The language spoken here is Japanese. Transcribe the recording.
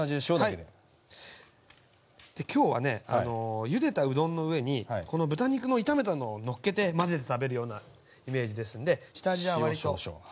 今日はねゆでたうどんの上にこの豚肉の炒めたのをのっけて混ぜて食べるようなイメージですんで下味は割としっかりめに付けます。